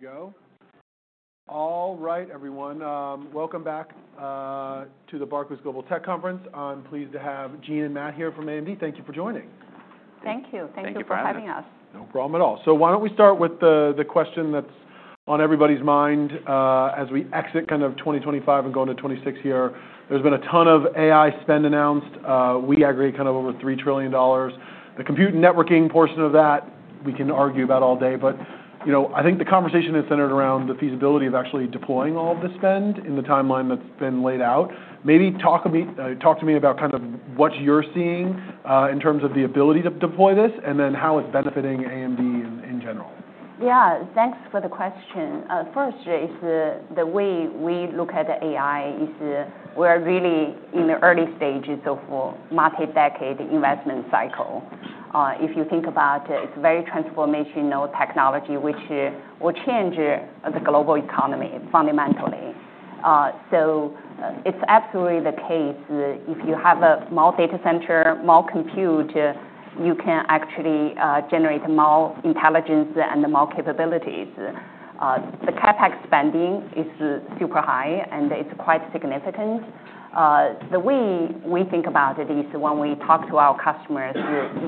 Good to go. All right, everyone. Welcome back to the Barclays Global Tech conference. I'm pleased to have Jean and Matt here from AMD. Thank you for joining. Thank you. Thank you for having us. No problem at all. So why don't we start with the question that's on everybody's mind as we exit kind of 2025 and go into 2026 here. There's been a ton of AI spend announced. We aggregate kind of over $3 trillion. The compute networking portion of that, we can argue about all day. But I think the conversation is centered around the feasibility of actually deploying all of the spend in the timeline that's been laid out. Maybe talk to me about kind of what you're seeing in terms of the ability to deploy this and then how it's benefiting AMD in general. Yeah. Thanks for the question. First, the way we look at AI is we are really in the early stages of a multi-decade investment cycle. If you think about it, it's a very transformational technology which will change the global economy fundamentally. So it's absolutely the case. If you have a more data center, more compute, you can actually generate more intelligence and more capabilities. The CapEx spending is super high, and it's quite significant. The way we think about it is when we talk to our customers,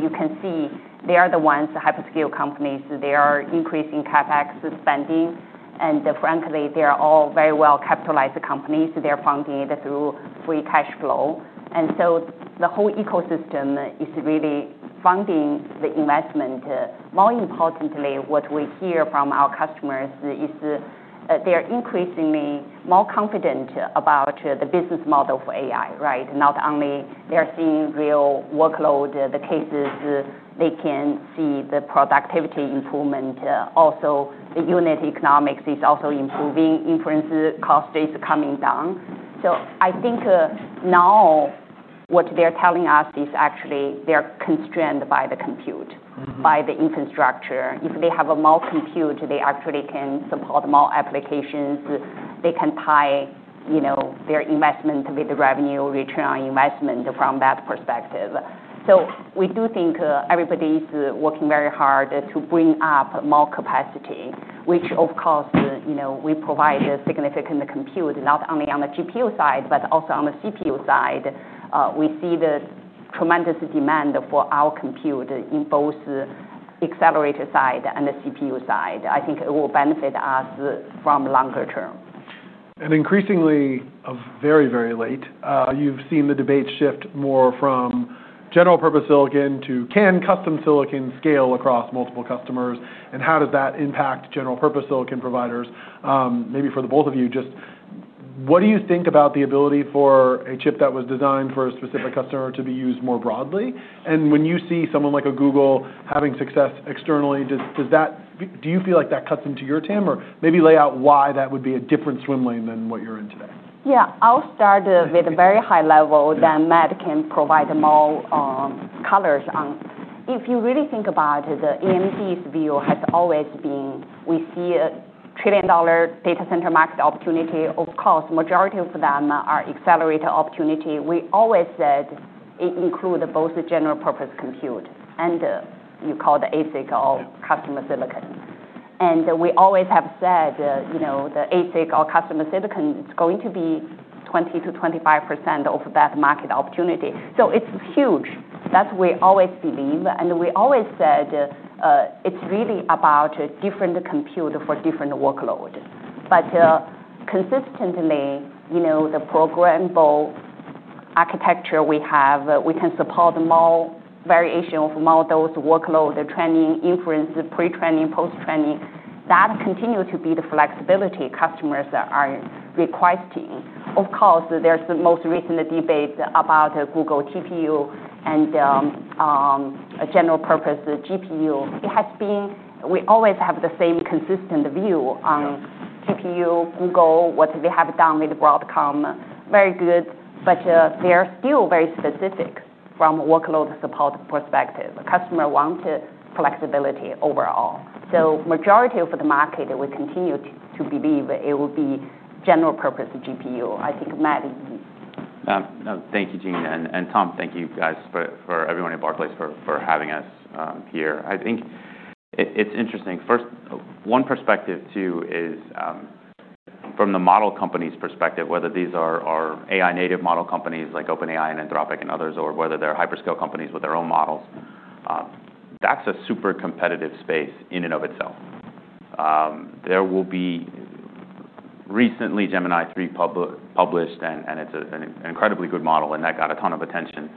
you can see they are the ones, the hyperscale companies, they are increasing CapEx spending. And frankly, they are all very well-capitalized companies. They're funding it through free cash flow. And so the whole ecosystem is really funding the investment. More importantly, what we hear from our customers is they are increasingly more confident about the business model for AI, right? Not only they are seeing real workload, the cases. They can see the productivity improvement. Also, the unit economics is also improving. Inference cost is coming down. So I think now what they're telling us is actually they're constrained by the compute, by the infrastructure. If they have more compute, they actually can support more applications. They can tie their investment with the revenue return on investment from that perspective. So we do think everybody is working very hard to bring up more capacity, which, of course, we provide significant compute not only on the GPU side, but also on the CPU side. We see the tremendous demand for our compute in both the accelerator side and the CPU side. I think it will benefit us from longer term. And increasingly of very, very late, you've seen the debate shift more from general-purpose silicon to can custom silicon scale across multiple customers. And how does that impact general-purpose silicon providers? Maybe for the both of you, just what do you think about the ability for a chip that was designed for a specific customer to be used more broadly? And when you see someone like a Google having success externally, do you feel like that cuts into your TAM or maybe lay out why that would be a different swim lane than what you're in today? Yeah. I'll start with a very high level that Matt can provide more color. If you really think about it, AMD's view has always been we see a trillion-dollar data center market opportunity. Of course, the majority of them are accelerator opportunity. We always said it includes both general-purpose compute and you call the ASIC or customer silicon. And we always have said the ASIC or customer silicon is going to be 20%-25% of that market opportunity. So it's huge. That's what we always believe. And we always said it's really about different compute for different workload. But consistently, the programmable architecture we have, we can support more variation of models, workload, training, inference, pre-training, post-training. That continues to be the flexibility customers are requesting. Of course, there's the most recent debate about Google TPU and general-purpose GPU. We always have the same consistent view on TPU, Google, what they have done with Broadcom. Very good. But they are still very specific from a workload support perspective. Customers want flexibility overall. So the majority of the market, we continue to believe it will be general-purpose GPU. I think Matt is. Thank you, Jean and Tom, thank you guys for everyone at Barclays for having us here. I think it's interesting. First, one perspective, too, is from the model companies' perspective, whether these are AI-native model companies like OpenAI and Anthropic and others, or whether they're hyperscale companies with their own models. That's a super competitive space in and of itself. There will be recently Gemini three published, and it's an incredibly good model, and that got a ton of attention.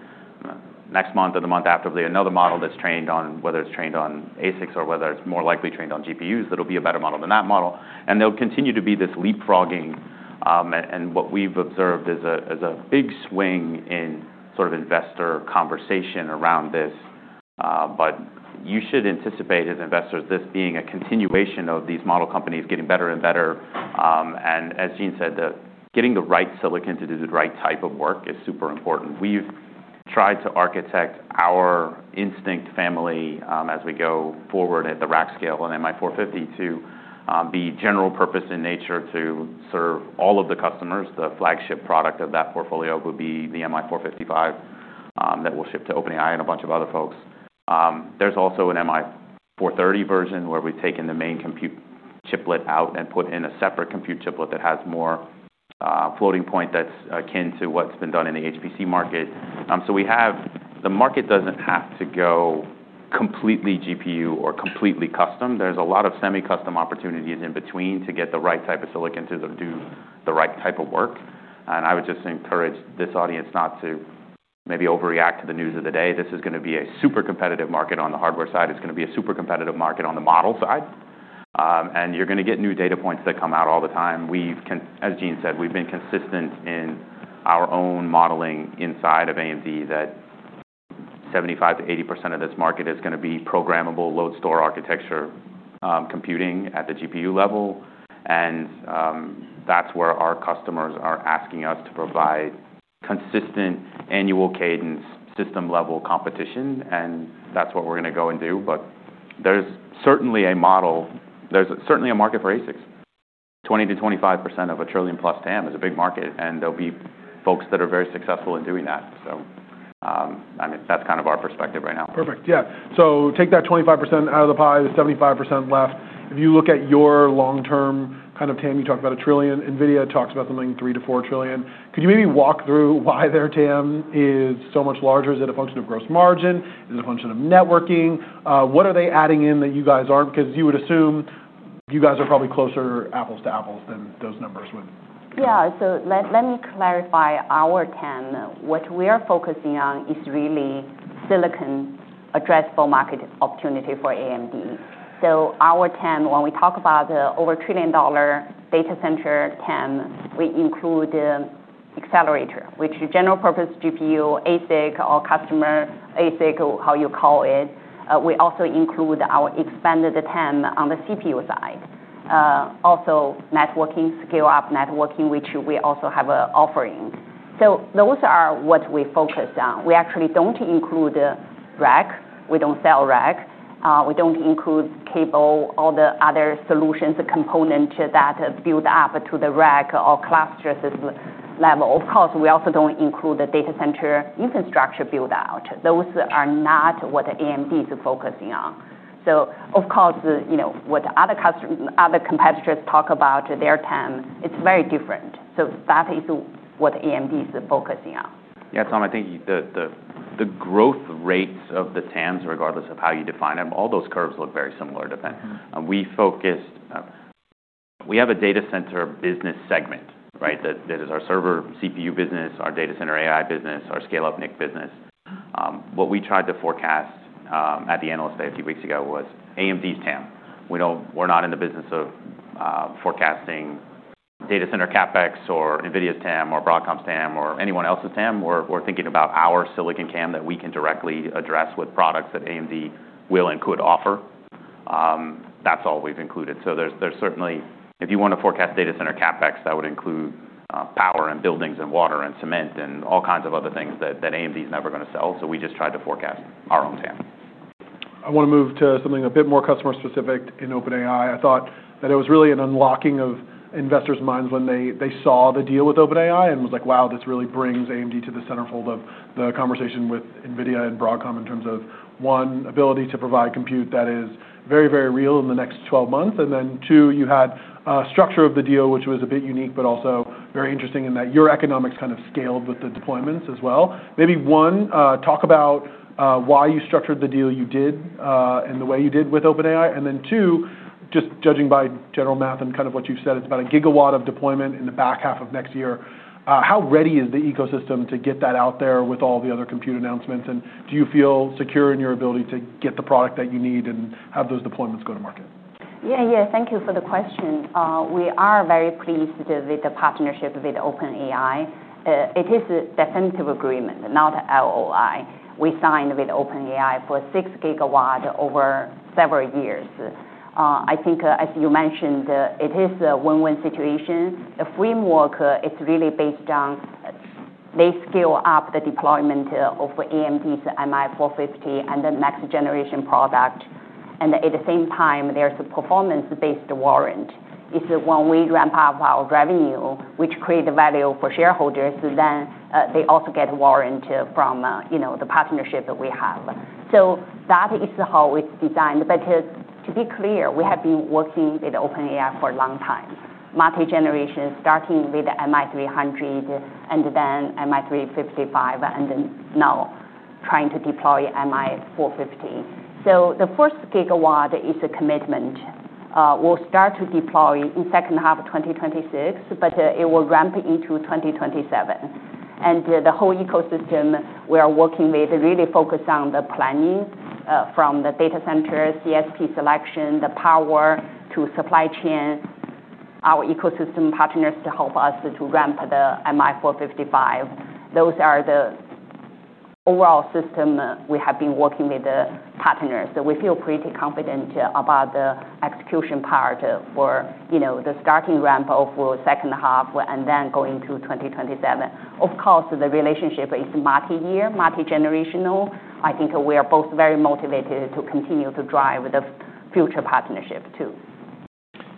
Next month or the month after, there'll be another model that's trained on whether it's trained on ASICs or whether it's more likely trained on GPUs. That'll be a better model than that model. And there'll continue to be this leapfrogging. And what we've observed is a big swing in sort of investor conversation around this. But you should anticipate as investors this being a continuation of these model companies getting better and better. And as Jean said, getting the right silicon to do the right type of work is super important. We've tried to architect our Instinct family as we go forward at the rack scale and MI450 to be general-purpose in nature to serve all of the customers. The flagship product of that portfolio would be the MI455 that we'll ship to OpenAI and a bunch of other folks. There's also an MI430 version where we've taken the main compute chiplet out and put in a separate compute chiplet that has more floating point that's akin to what's been done in the HPC market. So the market doesn't have to go completely GPU or completely custom. There's a lot of semi-custom opportunities in between to get the right type of silicon to do the right type of work. And I would just encourage this audience not to maybe overreact to the news of the day. This is going to be a super competitive market on the hardware side. It's going to be a super competitive market on the model side. And you're going to get new data points that come out all the time. As Jean said, we've been consistent in our own modeling inside of AMD that 75%-80% of this market is going to be programmable load store architecture computing at the GPU level. And that's where our customers are asking us to provide consistent annual cadence system-level competition. And that's what we're going to go and do. But there's certainly a model. There's certainly a market for ASICs. 20%-25% of a trillion-plus TAM is a big market. And there'll be folks that are very successful in doing that. So that's kind of our perspective right now. Perfect. Yeah. So take that 25% out of the pie, the 75% left. If you look at your long-term kind of TAM, you talked about $1 trillion. NVIDIA talks about something like $3 trillion-$4 trillion. Could you maybe walk through why their TAM is so much larger? Is it a function of gross margin? Is it a function of networking? What are they adding in that you guys aren't? Because you would assume you guys are probably closer apples to apples than those numbers would. Yeah. So let me clarify our TAM. What we are focusing on is really silicon addressable market opportunity for AMD. So our TAM, when we talk about the over $1 trillion data center TAM, we include accelerator, which is general-purpose GPU, ASIC, or customer ASIC, how you call it. We also include our expanded TAM on the CPU side. Also, networking, scale-up networking, which we also have an offering. So those are what we focus on. We actually don't include rack. We don't sell rack. We don't include cable, all the other solutions, components that build up to the rack or cluster system level. Of course, we also don't include the data center infrastructure build-out. Those are not what AMD is focusing on. So of course, what other competitors talk about, their TAM, it's very different. So that is what AMD is focusing on. Yeah, Tom, I think the growth rates of the TAMs, regardless of how you define them, all those curves look very similar to them. We have a data center business segment, right? That is our server CPU business, our data center AI business, our scale-up NIC business. What we tried to forecast at the analyst day a few weeks ago was AMD's TAM. We're not in the business of forecasting data center CapEx or NVIDIA's TAM or Broadcom's TAM or anyone else's TAM. We're thinking about our silicon TAM that we can directly address with products that AMD will and could offer. That's all we've included. So there's certainly, if you want to forecast data center CapEx, that would include power and buildings and water and cement and all kinds of other things that AMD is never going to sell. So we just tried to forecast our own TAM. I want to move to something a bit more customer-specific in OpenAI. I thought that it was really an unlocking of investors' minds when they saw the deal with OpenAI and was like, "Wow, this really brings AMD to the centerfold of the conversation with NVIDIA and Broadcom in terms of, one, ability to provide compute that is very, very real in the next 12 months." And then, two, you had a structure of the deal which was a bit unique, but also very interesting in that your economics kind of scaled with the deployments as well. Maybe one, talk about why you structured the deal you did and the way you did with OpenAI. And then, two, just judging by general math and kind of what you've said, it's about a gigawatt of deployment in the back half of next year. How ready is the ecosystem to get that out there with all the other compute announcements? And do you feel secure in your ability to get the product that you need and have those deployments go to market? Yeah, yeah. Thank you for the question. We are very pleased with the partnership with OpenAI. It is a definitive agreement, not an LOI. We signed with OpenAI for six gigawatts over several years. I think, as you mentioned, it is a win-win situation. The framework is really based on they scale up the deployment of AMD's MI450 and the next-generation product. And at the same time, there's a performance-based warrant. It's when we ramp up our revenue, which creates value for shareholders, then they also get a warrant from the partnership that we have. So that is how it's designed. But to be clear, we have been working with OpenAI for a long time. Multi-generation, starting with MI300 and then MI355, and now trying to deploy MI450. So the first gigawatt is a commitment. We'll start to deploy in the second half of 2026, but it will ramp into 2027, and the whole ecosystem we are working with really focuses on the planning from the data center, CSP selection, the power to supply chain, our ecosystem partners to help us to ramp the MI455. Those are the overall system we have been working with the partners, so we feel pretty confident about the execution part for the starting ramp of the second half and then going to 2027. Of course, the relationship is multi-year, multi-generational. I think we are both very motivated to continue to drive the future partnership, too.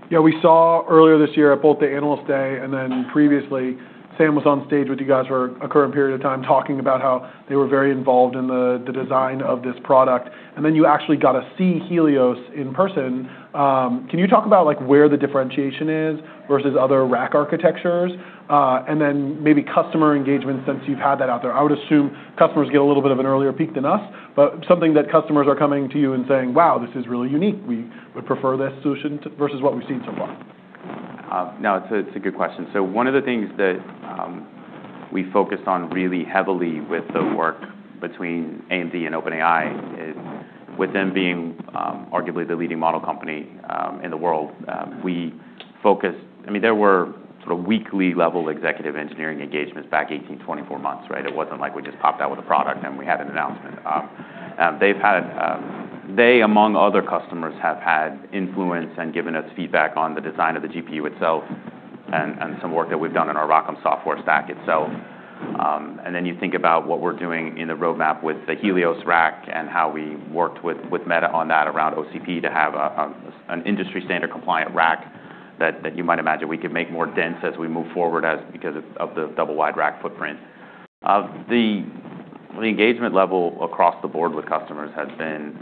Yeah. We saw earlier this year at both the analyst day and then previously, Sam was on stage with you guys for a current period of time talking about how they were very involved in the design of this product, and then you actually got to see Helios in person. Can you talk about where the differentiation is versus other rack architectures, and then maybe customer engagement, since you've had that out there. I would assume customers get a little bit of an earlier peek than us, but something that customers are coming to you and saying, "Wow, this is really unique. We would prefer this solution versus what we've seen so far. No, it's a good question. So one of the things that we focused on really heavily with the work between AMD and OpenAI is with them being arguably the leading model company in the world, we focused I mean, there were sort of weekly-level executive engineering engagements back 18, 24 months, right? It wasn't like we just popped out with a product and we had an announcement. They, among other customers, have had influence and given us feedback on the design of the GPU itself and some work that we've done on our ROCm software stack itself. And then you think about what we're doing in the roadmap with the Helios rack and how we worked with Meta on that around OCP to have an industry-standard compliant rack that you might imagine we could make more dense as we move forward because of the double-wide rack footprint. The engagement level across the board with customers has been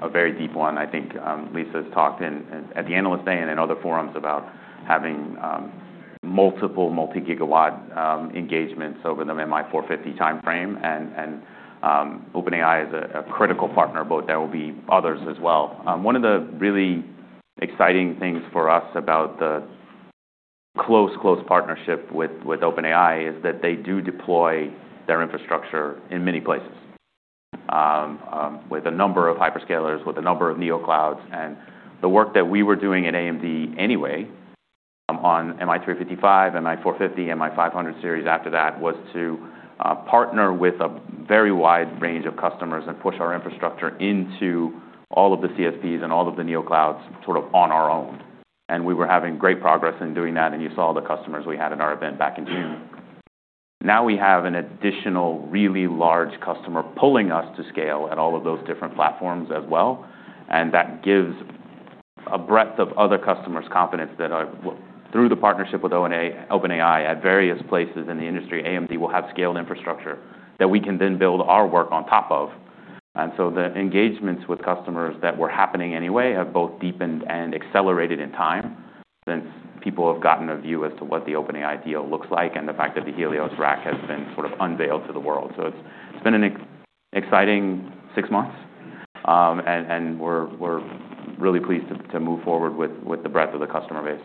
a very deep one. I think Lisa has talked at the analyst day and in other forums about having multiple multi-gigawatt engagements over the MI450 timeframe, and OpenAI is a critical partner, but there will be others as well. One of the really exciting things for us about the close, close partnership with OpenAI is that they do deploy their infrastructure in many places with a number of hyperscalers, with a number of NeoClouds, and the work that we were doing at AMD anyway on MI355, MI450, MI500 series after that was to partner with a very wide range of customers and push our infrastructure into all of the CSPs and all of the NeoClouds sort of on our own, and we were having great progress in doing that. And you saw the customers we had in our event back in June. Now we have an additional really large customer pulling us to scale at all of those different platforms as well. And that gives a breadth of other customers' confidence that through the partnership with OpenAI at various places in the industry, AMD will have scaled infrastructure that we can then build our work on top of. And so the engagements with customers that were happening anyway have both deepened and accelerated in time since people have gotten a view as to what the OpenAI deal looks like and the fact that the Helios rack has been sort of unveiled to the world. So it's been an exciting six months. And we're really pleased to move forward with the breadth of the customer base.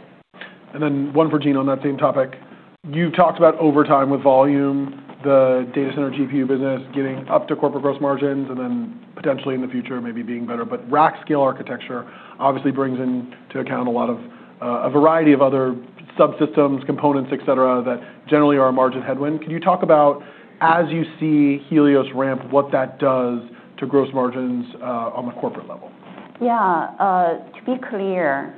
And then one for Jean on that same topic. You've talked about over time with volume, the data center GPU business getting up to corporate gross margins, and then potentially in the future maybe being better. But rack scale architecture obviously brings into account a variety of other subsystems, components, etc., that generally are a margin headwind. Can you talk about, as you see Helios ramp, what that does to gross margins on the corporate level? Yeah. To be clear,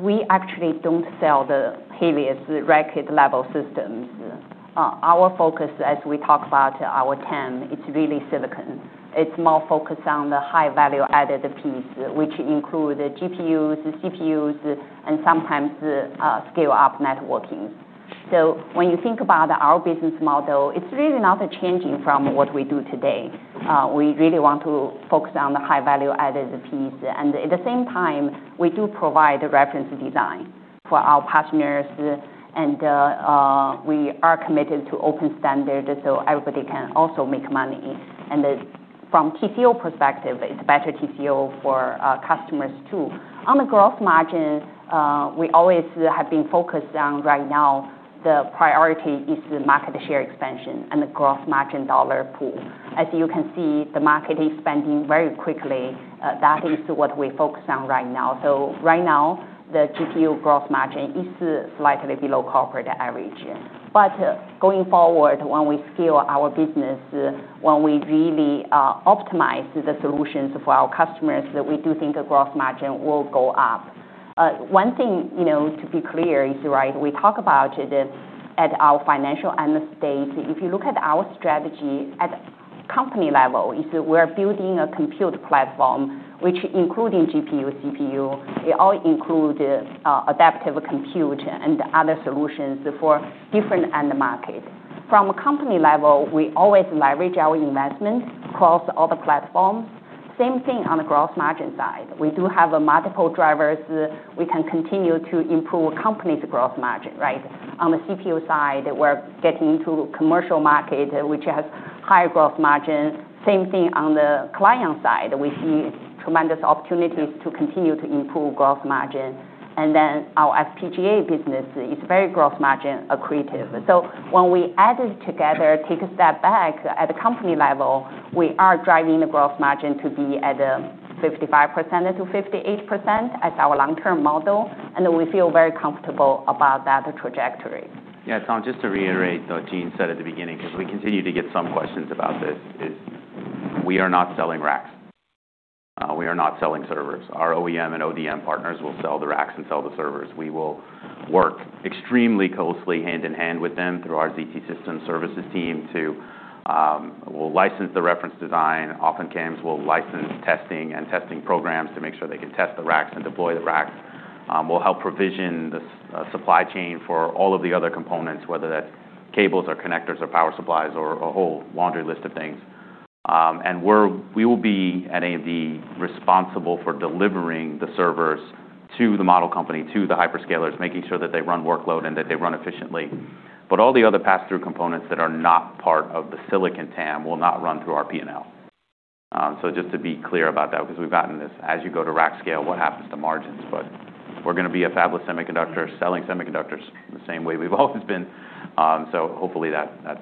we actually don't sell the Helios rack-level systems. Our focus, as we talk about our TAM, it's really silicon. It's more focused on the high-value-added piece, which includes GPUs, CPUs, and sometimes scale-up networking. So when you think about our business model, it's really not changing from what we do today. We really want to focus on the high-value-added piece. And at the same time, we do provide reference design for our partners. And we are committed to open standard so everybody can also make money. And from TCO perspective, it's better TCO for customers, too. On the gross margin, we always have been focused on right now, the priority is market share expansion and the gross margin dollar pool. As you can see, the market is expanding very quickly. That is what we focus on right now. So right now, the GPU gross margin is slightly below corporate average. But going forward, when we scale our business, when we really optimize the solutions for our customers, we do think the gross margin will go up. One thing to be clear is, right, we talk about it at our financial analyst day. If you look at our strategy at company level, we are building a compute platform, which, including GPU, CPU, it all includes adaptive compute and other solutions for different end markets. From a company level, we always leverage our investments across all the platforms. Same thing on the gross margin side. We do have multiple drivers. We can continue to improve a company's gross margin, right? On the CPU side, we're getting into commercial market, which has higher gross margin. Same thing on the client side. We see tremendous opportunities to continue to improve gross margin. And then our FPGA business is very gross margin accretive. So when we add it together, take a step back at the company level, we are driving the gross margin to be at 55%-58% as our long-term model. And we feel very comfortable about that trajectory. Yeah, Tom, just to reiterate what Jean said at the beginning, because we continue to get some questions about this, is we are not selling racks. We are not selling servers. Our OEM and ODM partners will sell the racks and sell the servers. We will work extremely closely, hand in hand, with them through our ZT Systems Services team to license the reference design. Often CAMs will license testing and testing programs to make sure they can test the racks and deploy the racks. We'll help provision the supply chain for all of the other components, whether that's cables or connectors or power supplies or a whole laundry list of things. And we will be at AMD responsible for delivering the servers to the model company, to the hyperscalers, making sure that they run workload and that they run efficiently. But all the other pass-through components that are not part of the silicon TAM will not run through our P&L. So just to be clear about that, because we've gotten this, as you go to rack scale, what happens to margins? But we're going to be a fabless semiconductor, selling semiconductors the same way we've always been. So hopefully that's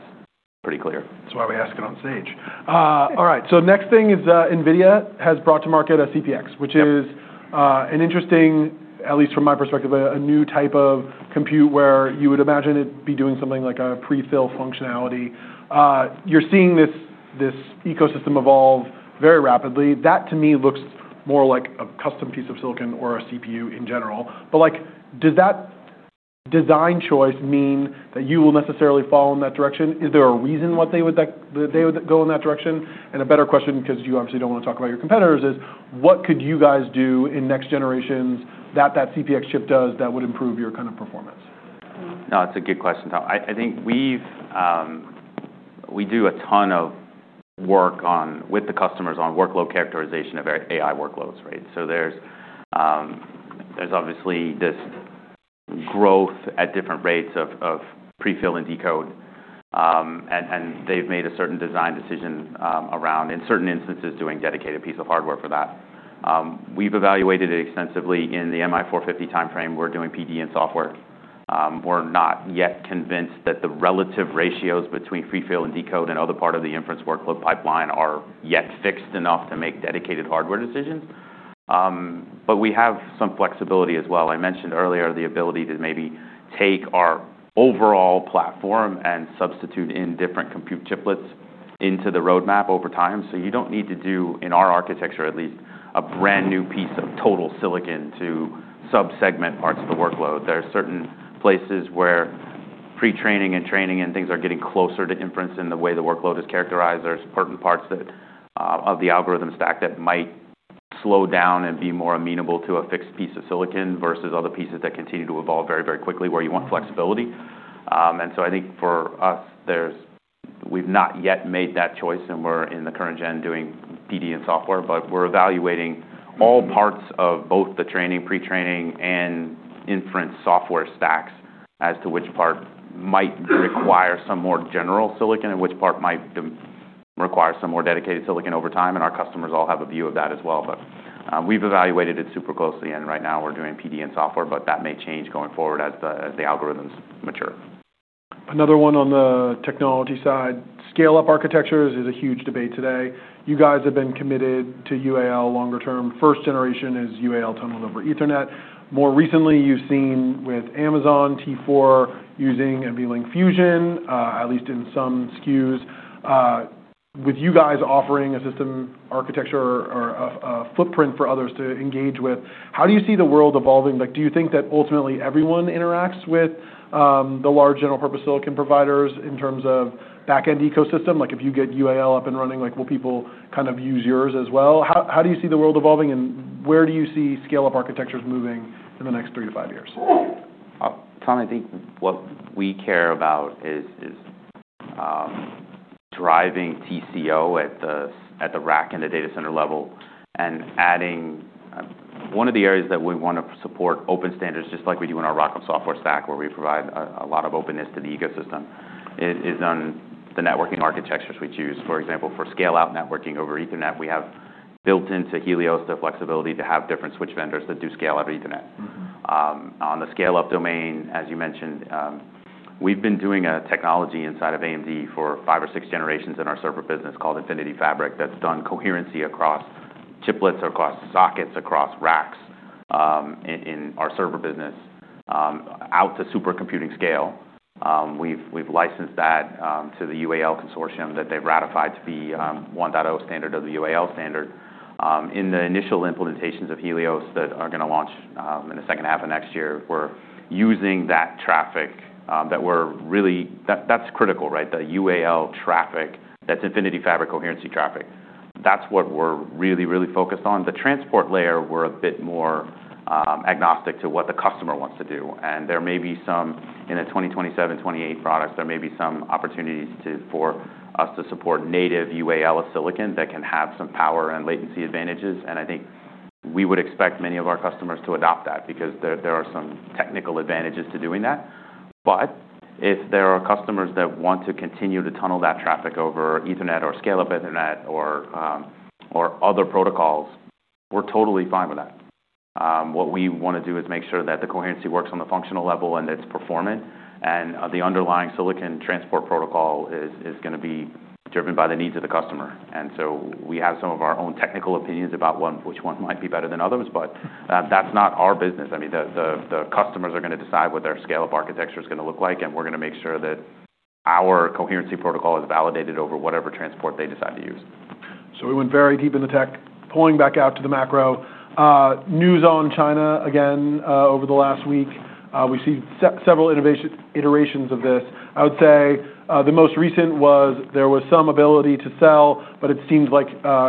pretty clear. That's why we ask it on stage. All right. So next thing is NVIDIA has brought to market a CPX, which is an interesting, at least from my perspective, a new type of compute where you would imagine it'd be doing something like a prefill functionality. You're seeing this ecosystem evolve very rapidly. That, to me, looks more like a custom piece of silicon or a CPU in general. But does that design choice mean that you will necessarily fall in that direction? Is there a reason why they would go in that direction? And a better question, because you obviously don't want to talk about your competitors, is what could you guys do in next generations that that CPX chip does that would improve your kind of performance? No, that's a good question, Tom. I think we do a ton of work with the customers on workload characterization of AI workloads, right? So there's obviously this growth at different rates of prefill and decode. And they've made a certain design decision around, in certain instances, doing dedicated piece of hardware for that. We've evaluated it extensively in the MI450 timeframe. We're doing PD and software. We're not yet convinced that the relative ratios between prefill and decode and other part of the inference workload pipeline are yet fixed enough to make dedicated hardware decisions. But we have some flexibility as well. I mentioned earlier the ability to maybe take our overall platform and substitute in different compute chiplets into the roadmap over time. So you don't need to do, in our architecture at least, a brand new piece of total silicon to subsegment parts of the workload. There are certain places where pretraining and training and things are getting closer to inference in the way the workload is characterized. There's certain parts of the algorithm stack that might slow down and be more amenable to a fixed piece of silicon versus other pieces that continue to evolve very, very quickly where you want flexibility, and so I think for us, we've not yet made that choice, and we're in the current gen doing PD and software, but we're evaluating all parts of both the training, pretraining, and inference software stacks as to which part might require some more general silicon and which part might require some more dedicated silicon over time, and our customers all have a view of that as well, but we've evaluated it super closely, and right now, we're doing PD and software, but that may change going forward as the algorithms mature. Another one on the technology side, scale-up architectures is a huge debate today. You guys have been committed to UAL longer term. First generation is UAL tunneled over Ethernet. More recently, you've seen with Amazon T4 using NVLink Fusion, at least in some SKUs. With you guys offering a system architecture or a footprint for others to engage with, how do you see the world evolving? Do you think that ultimately everyone interacts with the large general purpose silicon providers in terms of back-end ecosystem? If you get UAL up and running, will people kind of use yours as well? How do you see the world evolving? And where do you see scale-up architectures moving in the next three to five years? Tom, I think what we care about is driving TCO at the rack and the data center level, and adding one of the areas that we want to support open standards just like we do in our ROCm software stack, where we provide a lot of openness to the ecosystem, is on the networking architectures we choose. For example, for scale-out networking over Ethernet, we have built into Helios the flexibility to have different switch vendors that do scale-out Ethernet. On the scale-up domain, as you mentioned, we've been doing a technology inside of AMD for five or six generations in our server business called Infinity Fabric that's done coherency across chiplets, across sockets, across racks in our server business out to supercomputing scale. We've licensed that to the UAL consortium that they've ratified to be 1.0 standard of the UAL standard. In the initial implementations of Helios that are going to launch in the second half of next year, we're using that traffic that's critical, right? The UAL traffic, that's Infinity Fabric coherency traffic. That's what we're really, really focused on. The transport layer, we're a bit more agnostic to what the customer wants to do, and in the 2027, 2028 products, there may be some opportunities for us to support native UAL of silicon that can have some power and latency advantages, and I think we would expect many of our customers to adopt that because there are some technical advantages to doing that, but if there are customers that want to continue to tunnel that traffic over Ethernet or scale-up Ethernet or other protocols, we're totally fine with that. What we want to do is make sure that the coherency works on the functional level and it's performant. And the underlying silicon transport protocol is going to be driven by the needs of the customer. And so we have some of our own technical opinions about which one might be better than others. But that's not our business. I mean, the customers are going to decide what their scale-up architecture is going to look like. And we're going to make sure that our coherency protocol is validated over whatever transport they decide to use. So we went very deep into tech, pulling back out to the macro. News on China again over the last week. We've seen several iterations of this. I would say the most recent was there was some ability to sell, but it seems like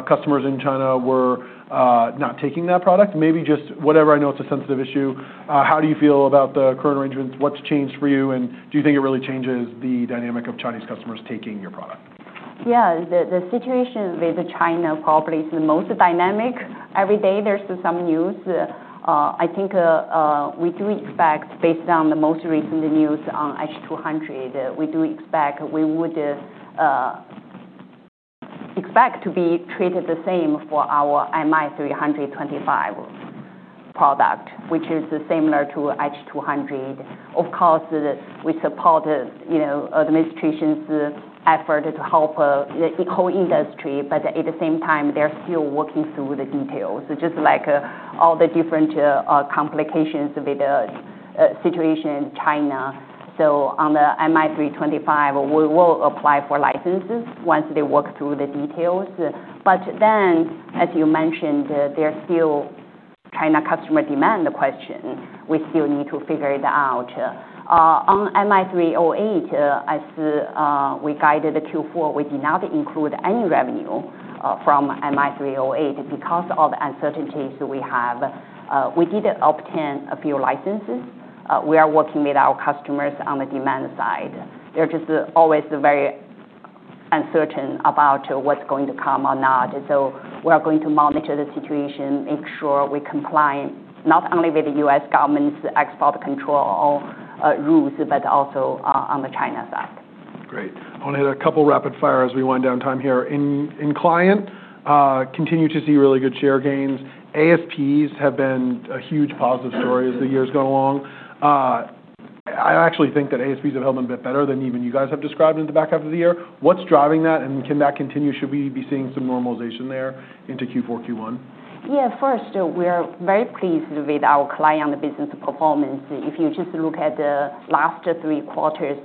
customers in China were not taking that product. Maybe just whatever. I know it's a sensitive issue. How do you feel about the current arrangements? What's changed for you? And do you think it really changes the dynamic of Chinese customers taking your product? Yeah. The situation with China probably is the most dynamic. Every day there's some news. I think we do expect, based on the most recent news on H200, we would expect to be treated the same for our MI325 product, which is similar to H200. Of course, we support administration's effort to help the whole industry, but at the same time, they're still working through the details, just like all the different complications with the situation in China, so on the MI325, we will apply for licenses once they work through the details, but then, as you mentioned, there's still China customer demand question. We still need to figure it out. On MI308, as we guided Q4, we did not include any revenue from MI308 because of the uncertainties we have. We did obtain a few licenses. We are working with our customers on the demand side. They're just always very uncertain about what's going to come or not. So we are going to monitor the situation, make sure we comply not only with the U.S. government's export control rules, but also on the China side. Great. I want to hit a couple of rapid fire as we wind down time here. In client, continue to see really good share gains. ASPs have been a huge positive story as the years go along. I actually think that ASPs have held a bit better than even you guys have described in the back half of the year. What's driving that? And can that continue? Should we be seeing some normalization there into Q4, Q1? Yeah. First, we are very pleased with our client business performance. If you just look at the last three quarters,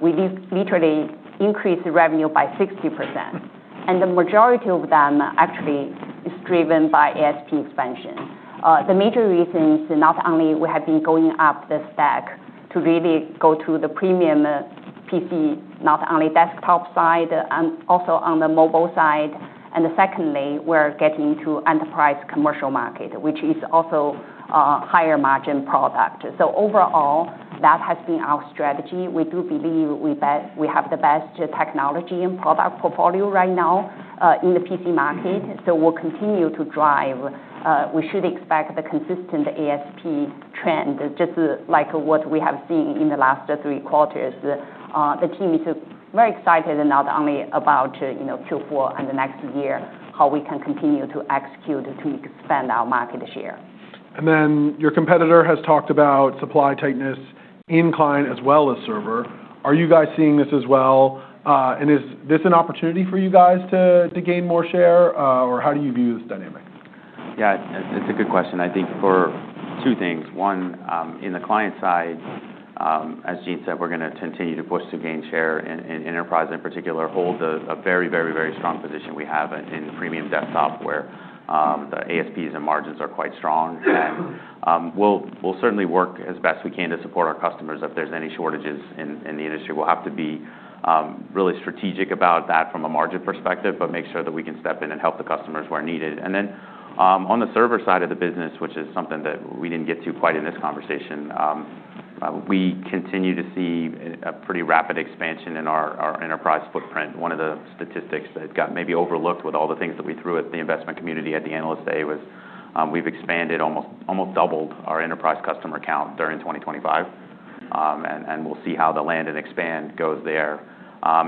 we literally increased revenue by 60%, and the majority of them actually is driven by ASP expansion. The major reason is not only we have been going up the stack to really go to the premium PC, not only desktop side, also on the mobile side, and secondly, we're getting to enterprise commercial market, which is also a higher margin product, so overall, that has been our strategy. We do believe we have the best technology and product portfolio right now in the PC market, so we'll continue to drive. We should expect the consistent ASP trend, just like what we have seen in the last three quarters. The team is very excited not only about Q4 and the next year, how we can continue to execute to expand our market share. And then your competitor has talked about supply tightness in client as well as server. Are you guys seeing this as well? And is this an opportunity for you guys to gain more share? Or how do you view this dynamic? Yeah, it's a good question. I think for two things. One, in the client side, as Jean said, we're going to continue to push to gain share in enterprise in particular, hold a very, very, very strong position we have in premium desktop where the ASPs and margins are quite strong, and we'll certainly work as best we can to support our customers if there's any shortages in the industry. We'll have to be really strategic about that from a margin perspective, but make sure that we can step in and help the customers where needed, and then on the server side of the business, which is something that we didn't get to quite in this conversation, we continue to see a pretty rapid expansion in our enterprise footprint. One of the statistics that got maybe overlooked with all the things that we threw at the investment community at the analyst day was we've expanded, almost doubled our enterprise customer count during 2025. And we'll see how the land and expand goes there.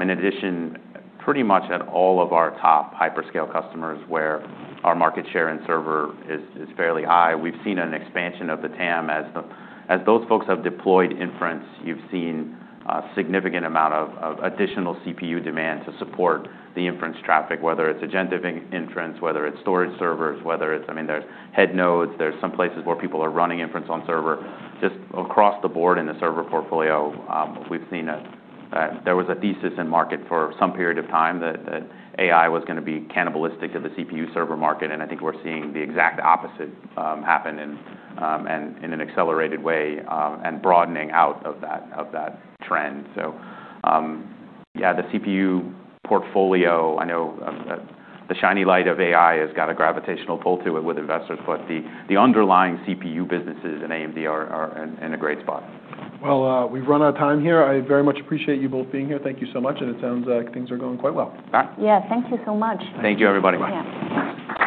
In addition, pretty much at all of our top hyperscale customers where our market share in server is fairly high, we've seen an expansion of the TAM. As those folks have deployed inference, you've seen a significant amount of additional CPU demand to support the inference traffic, whether it's agentive inference, whether it's storage servers, whether it's, I mean, there's head nodes. There's some places where people are running inference on server. Just across the board in the server portfolio, we've seen that there was a thesis in market for some period of time that AI was going to be cannibalistic of the CPU server market. And I think we're seeing the exact opposite happen in an accelerated way and broadening out of that trend. So yeah, the CPU portfolio, I know the shiny light of AI has got a gravitational pull to it with investors. But the underlying CPU businesses in AMD are in a great spot. Well, we've run out of time here. I very much appreciate you both being here. Thank you so much. And it sounds like things are going quite well. Yeah. Thank you so much. Thank you, everybody. Thank you, Jean.